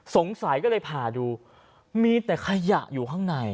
สงสัยก็เลยผ่าดูมีแต่ขยะอยู่ข้างใน